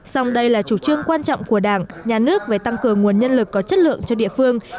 song đây là chủ trương quan trọng của đảng nhà nước về tăng cường nguồn nhân lực có chất lượng cho địa phương